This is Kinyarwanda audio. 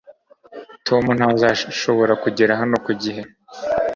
tom ntazashobora kugera hano ku gihe